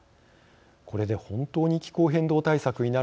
これで本当に気候変動対策になるのか。